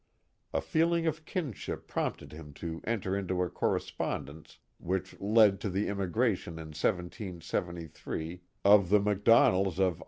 .'\ feeling of kinship prompted him to enter into a correspondence which led to the immigration in 1773 of the MacDonalds of